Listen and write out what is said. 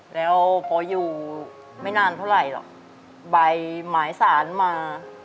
แล้วพออยู่ไม่นานเท่าไหร่หรอกใบหมายสารมา